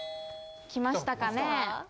来ましたかね。